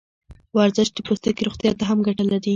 ورزش د پوستکي روغتیا ته هم ګټه لري.